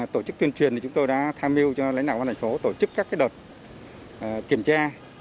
tổ chức tuyên truyền chúng tôi đã tham mưu cho lãnh đạo văn hành phố tổ chức các đợt kiểm tra